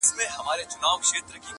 نه دي زما مستي په یاد نه دي یادېږم-